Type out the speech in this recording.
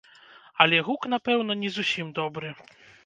Але гук, напэўна, не зусім добры.